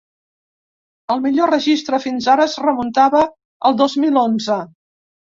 El millor registre fins ara es remuntava al dos mil onze.